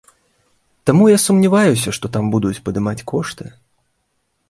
Таму я сумняваюся, што там будуць падымаць кошты.